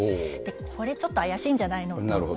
これちょっと、怪しいんじゃないのと。